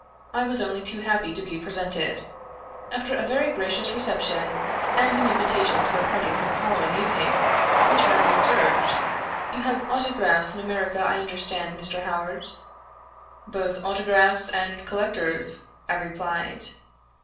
I was only too happy to be presented. After a very gracious reception, and an invitation to a party for the following evening, Miss Rowley observed: "You have Autographs, in America, I understand, Mr. Howard." "Both autographs and collectors," I replied.